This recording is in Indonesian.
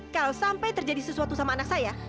kalau sampai terjadi sesuatu sama anak saya